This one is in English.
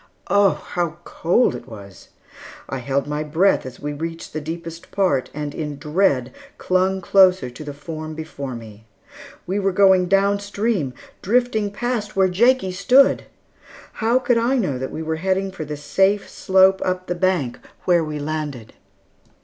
Oh, how cold it was! I held my breath as we reached the deepest part, and in dread clung closer to the form before me. We were going down stream, drifting past where Jakie stood! How could I know that we were heading for the safe slope up the bank where we landed?